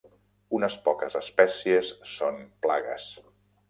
Unes poques espècies són plagues.